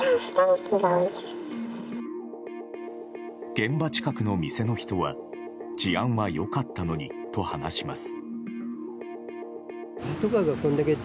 現場近くの店の人は治安は良かったのにと話します。